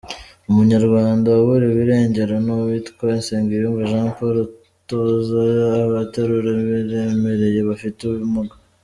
Umunyarwanda waburiwe irengero ni uwitwa Nsengiyumva Jean Paul utoza Abaterura Ibiremereye bafite Ubumuga.